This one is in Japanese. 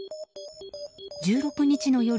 １６日の夜